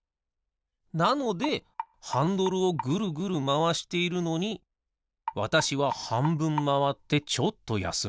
なのでハンドルをぐるぐるまわしているのにわたしははんぶんまわってちょっとやすむ。